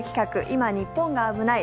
いま日本が危ない！